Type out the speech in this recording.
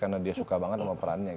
karena dia suka banget sama perannya